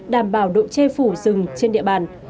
đảm bảo đội che phủ rừng trên địa bàn